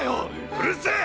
うるせぇ！